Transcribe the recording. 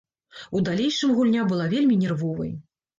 У далейшым гульня была вельмі нервовай.